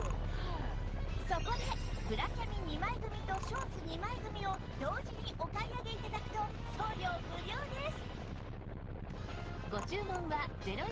そこでブラキャミ２枚組とショーツ２枚組を同時にお買い上げ頂くと送料無料です